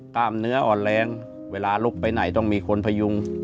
กล้ามเนื้ออ่อนแรงเวลาลุกไปไหนต้องมีคนพยุง